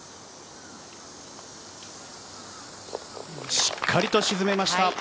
しっかりと沈めました。